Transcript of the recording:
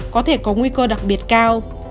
có thể có nguy cơ đặc biệt cao